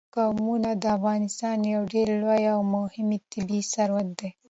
قومونه د افغانستان یو ډېر لوی او مهم طبعي ثروت دی.